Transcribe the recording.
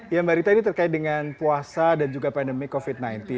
ya mbak rita ini terkait dengan puasa dan juga pandemi covid sembilan belas